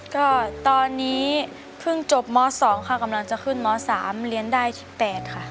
ก็ตอนนี้เพิ่งจบม๒ค่ะกำลังจะขึ้นม๓เรียนได้๑๘ค่ะ